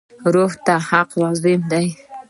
روح ته حق لازم دی.